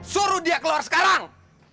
suruh dia keluar sekarang